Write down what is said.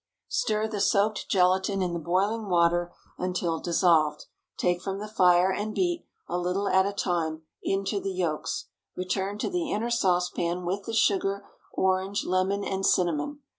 Stir the soaked gelatine in the boiling water until dissolved; take from the fire and beat, a little at a time, into the yolks; return to the inner saucepan with the sugar, orange, lemon and cinnamon.